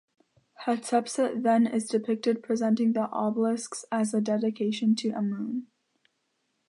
Hatshepsut then is depicted presenting the obelisks as a dedication to Amun.